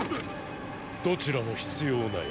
どちらも必要ない。